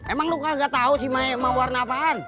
emang lo kagak tahu sih emang warna apaan